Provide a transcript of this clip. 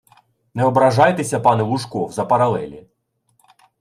Не ображайтеся, пане Лужков, за паралелі